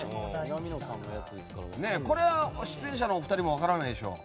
これは出演者のお二人も分からないでしょう。